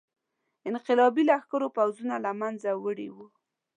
انقلابي لښکرو پوځونه له منځه وړي وو.